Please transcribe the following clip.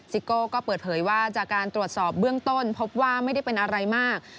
โก้ก็เปิดเผยว่าจากการตรวจสอบเบื้องต้นพบว่าไม่ได้เป็นอะไรมาก